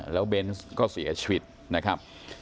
แล้วเบนส์ก็เสียชีวิตนะครับ